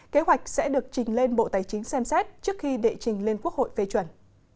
kế hoạch sẽ được trình lên bộ tài chính xem xét trước khi đệ trình lên quốc hội phê chuẩn